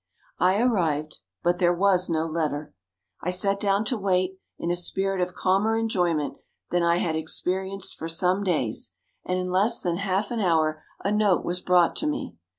I arrived but there was no letter. I sat down to wait, in a spirit of calmer enjoyment than I had experienced for some days; and in less than half an hour a note was brought to me.